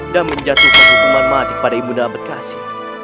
dan menjatuhkan hukuman mati pada ibu ndam bekasi